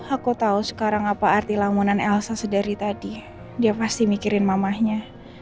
aku tahu sekarang apa arti lamunan elsa sedari tadi dia pasti mikirin mamahnya